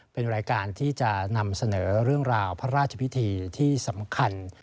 เป็นรายการที่จะนำเสนอเรื่องราวพระราชพิธีที่สำคัญ